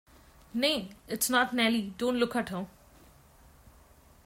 Nay, it’s not Nelly; don’t look at her!